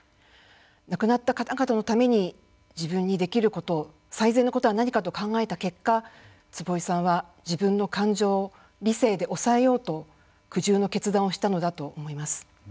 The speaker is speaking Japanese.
亡くなった方々のために自分にできることを最善のことは何かと考えた結果坪井さんは自分の感情を理性で抑えようと苦渋の決断をしたのだと思います。